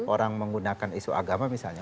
orang menggunakan isu agama misalnya